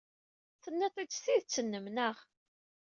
Tenniḍ-t-id s tidet-nnem, naɣ?